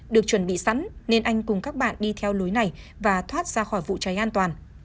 được chuẩn bị sẵn nên anh cùng các bạn đi theo lối này và thoát ra khỏi vụ cháy an toàn